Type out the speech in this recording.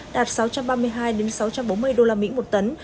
đạt sáu trăm ba mươi hai sáu trăm bốn mươi đô la mỹ một tấn